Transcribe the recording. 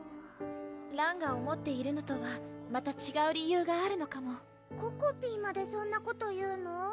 らんが思っているのとはまたちがう理由があるのかもここぴーまでそんなこと言うの？